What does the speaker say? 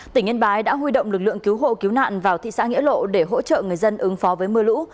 tỉnh yên bái đã huy động lực lượng cứu hộ cứu nạn vào thị xã nghĩa lộ để hỗ trợ người dân ứng phó với mưa lũ